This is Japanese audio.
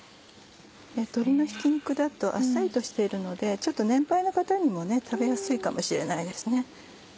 鶏のひき肉だとあっさりとしているので年配の方にも食べやすいかもしれないですね。